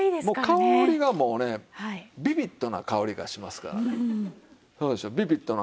もう香りがもうねビビッドな香りがしますからね。